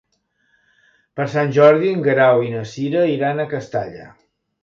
Per Sant Jordi en Guerau i na Cira iran a Castalla.